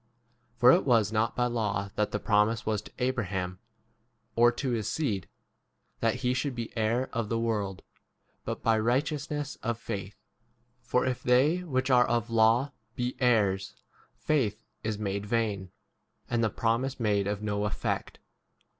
2 13 For [it was] not by law that the promise was to Abraham, or to his seed, that he should be heir of [the] world, but by righteousness 14 of faith. For if they which [are] of law be heirs, faith is made vain, and the promise made of no 15 effect.